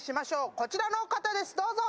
こちらの方です、どうぞ。